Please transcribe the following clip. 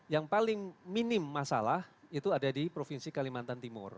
yang paling minim masalah itu ada di provinsi kalimantan timur